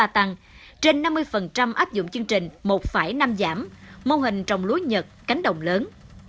trên năm mươi áp dụng chương trình một năm giảm mô hình trồng lúa nhật cánh đồng lớn